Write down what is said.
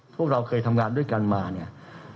พวกเราเคยทำงานด้วยกันมาเนี่ย